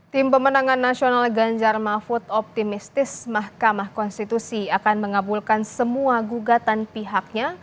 tim pemenangan nasional ganjar mahfud optimistis mahkamah konstitusi akan mengabulkan semua gugatan pihaknya